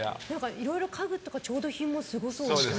いろいろ家具とか調度品もすごそうですね。